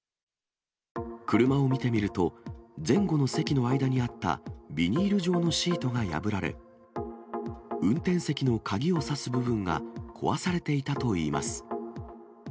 車を見てみると、前後の席の間にあったビニール状のシートが破られ、運転席の鍵を挿す部分が、壊されていたといいます。